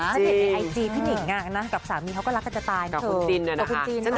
ถ้าเห็นในไอจีพี่หนิงกับสามีเขาก็รักกันจะตายนะเธอขอบคุณจีนนะคะ